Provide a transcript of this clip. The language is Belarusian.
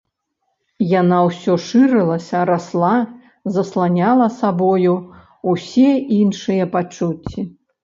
Яна ўсё шырылася, расла, засланяла сабою ўсе іншыя пачуцці.